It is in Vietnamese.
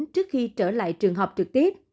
trước khi trở lại trường học trực tiếp